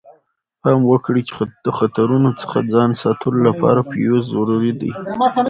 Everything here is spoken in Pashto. پام وکړئ چې د خطرونو څخه ځان ساتلو لپاره فیوز ضروري دی.